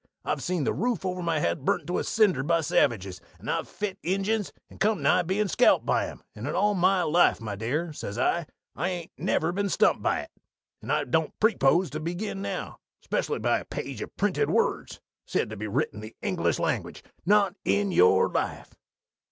I've seen the roof over my head burnt to a cinder by savages, and I've fit Injuns, and come nigh bein' scalped by 'em, and in all my life, my dear,' says I, 'I hain't never been stumped yit, and I don't preepose to begin now, specially by a page o' printed words, said to be writ in the English language _not on your life!